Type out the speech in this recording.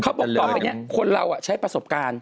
เค้าบอกต่อไปคนเราใช้ประสบการณ์